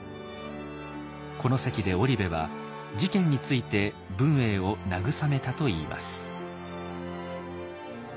この席で織部は事件について文英を慰めたといいます。